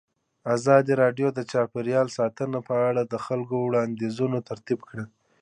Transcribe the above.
ازادي راډیو د چاپیریال ساتنه په اړه د خلکو وړاندیزونه ترتیب کړي.